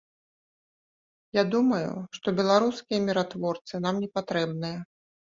Я думаю, што беларускія міратворцы нам не патрэбныя.